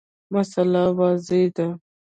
مسأله واضحه ده.